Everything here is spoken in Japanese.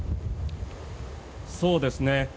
そうですね。